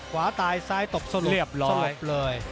ขวาตายซ้ายตบสลบเรียบร้อย